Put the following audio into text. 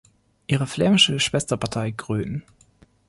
Ihre flämische Schwesterpartei Groen!